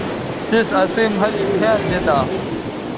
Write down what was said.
تِس اسئ مھلِ مھیال دی تا